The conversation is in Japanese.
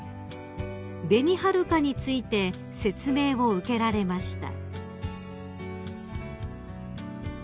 ［べにはるかについて説明を受けられました］